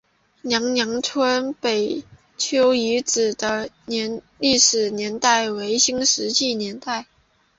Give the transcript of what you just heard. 娘娘村贝丘遗址的历史年代为新石器时代。